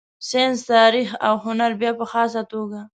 ساینس، تاریخ او هنر بیا په خاصه توګه.